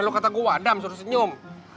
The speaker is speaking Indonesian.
lu kata gua adam suruh senyum